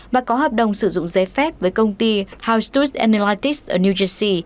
và có hợp đồng sử dụng dây phép với công ty house tooth analytics ở new jersey